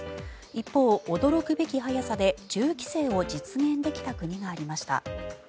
一方、驚くべき早さで銃規制を実現できた国がありました。